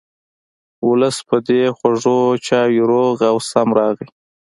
ولس په دې خوږو چایو روغ او سم راغی.